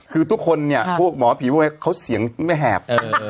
คือทุกคนเนี่ยพวกหมอผีพวกอะไรเขาเสียงไม่แหบ